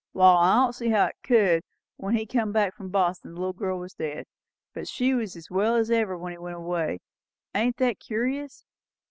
"Wall, I don't see how it could. When he come back from Boston, the little girl was dead; but she was as well as ever when he went away. Ain't that curious?"